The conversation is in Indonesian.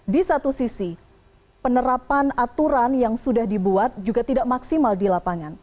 di satu sisi penerapan aturan yang sudah dibuat juga tidak maksimal di lapangan